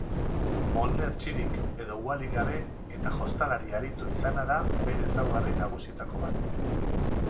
Molde hertsirik edo uhalik gabe eta jostalari aritu izana da bere ezaugarri nagusietako bat.